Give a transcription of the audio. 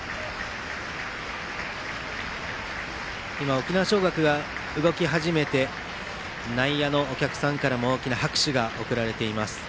沖縄尚学が動き始めて内野のお客さんからも大きな拍手が送られています。